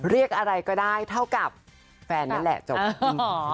เรียกอะไรก็ได้เท่ากับแฟนนั่นแหละจบ